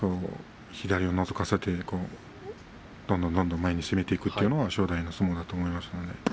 左をのぞかせてどんどん前に攻めていくというのが正代の相撲だと思います。